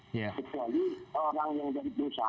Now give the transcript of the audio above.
kecuali orang yang dari perusahaan